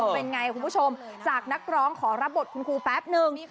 เป็นไงคุณผู้ชมจากนักร้องขอรับบทคุณครูแป๊บนึง